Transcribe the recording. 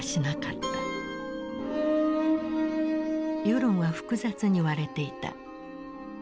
世論は複雑に割れていた。